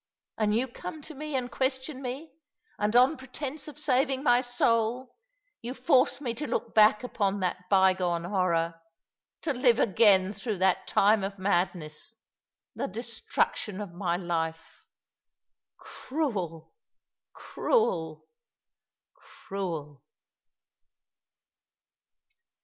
And you come to me, and question me, and on pretence of saving my soul, you force me to look back upon that bygone horror — to live again through that time of madness — the destruction of my life. Cruel, cruel, cruel